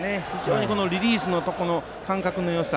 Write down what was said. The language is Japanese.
リリースのところの感覚のよさ